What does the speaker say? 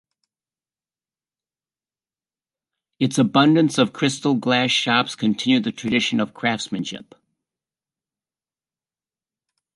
Its abundance of crystal glass shops continue the tradition of craftsmanship.